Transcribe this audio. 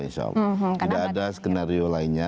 tidak ada skenario lainnya